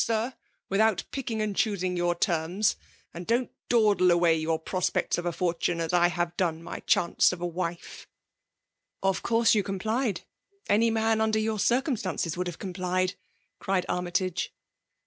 Sir, without piching and choosing your terms; and don*t dawdle away your prospects of a fntune, as I have done my chance of a wife.' *' ''Of course you complied? any man under your circumstances would have complied/* cried Annytage.